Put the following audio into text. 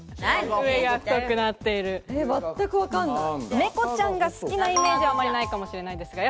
猫ちゃんが好きなイメージはあまりないかもしれないですが。